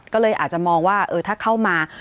ก็เลยอาจจะมองว่าถ้าเข้ามา